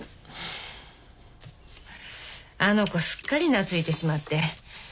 あの子すっかり懐いてしまって。